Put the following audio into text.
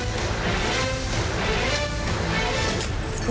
ชูวิทย์ตีแสกหน้า